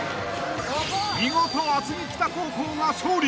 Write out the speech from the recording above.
［見事厚木北高校が勝利］